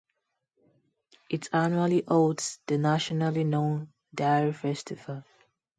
It annually holds the nationally known Dairy Festival.